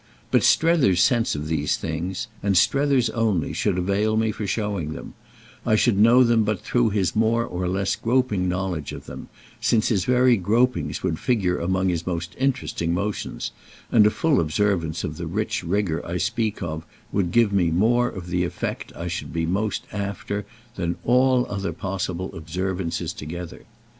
But Strether's sense of these things, and Strether's only, should avail me for showing them; I should know them but through his more or less groping knowledge of them, since his very gropings would figure among his most interesting motions, and a full observance of the rich rigour I speak of would give me more of the effect I should be most "after" than all other possible observances together.